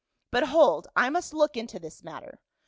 "But hold, I must look into this matter.